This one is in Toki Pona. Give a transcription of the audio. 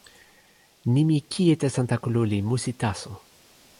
nimi kijetesantakalu li musi taso.